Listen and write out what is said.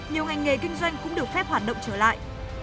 nhiều ngành nghề kinh doanh cũng được phép hoạt động trở lại